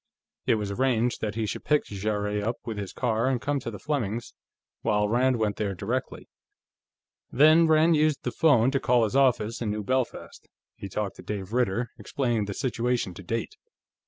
It was arranged that he should pick Jarrett up with his car and come to the Flemings', while Rand went there directly. Then Rand used the phone to call his office in New Belfast. He talked to Dave Ritter, explaining the situation to date.